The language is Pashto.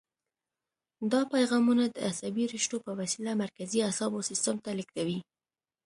دا پیغامونه د عصبي رشتو په وسیله مرکزي اعصابو سیستم ته لېږدوي.